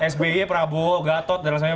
sby prabowo gatot dan lain sebagainya